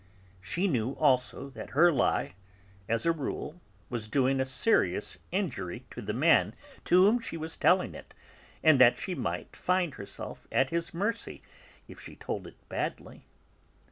She knew, also, that her lie, as a rule, was doing a serious injury to the man to whom she was telling it, and that she might find herself at his mercy if she told it badly.